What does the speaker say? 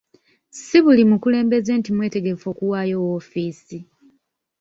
Si buli mukulembeze nti mwetegefu okuwaayo woofiisi.